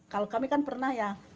kalau kami kan pernah ya